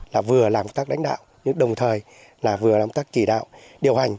là vừa làm tác đánh đạo nhưng đồng thời là vừa làm tác chỉ đạo điều hành